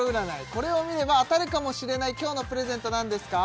これを見れば当たるかもしれない今日のプレゼント何ですか？